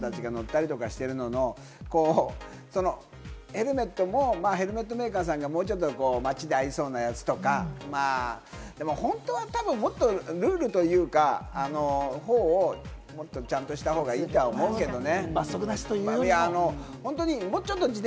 ロードバイクの場合は、かぶったりもしますけど、街でお母さんたちが乗ったりとかしてるののヘルメットもヘルメットメーカーさんがもうちょっと街で合いそうなやつとか本当は多分、もっとルールというか、法をもっとちゃんとしたほうがいいと思うけどね。